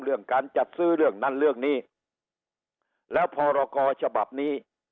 เรื่องการจัดซื้อเรื่องนั้นเรื่องนี้แล้วพรกรฉบับนี้